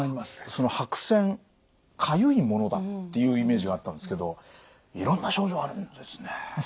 その白癬かゆいものだっていうイメージがあったんですけどいろんな症状あるんですね。